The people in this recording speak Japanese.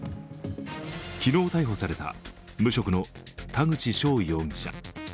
昨日逮捕された無職の田口翔容疑者。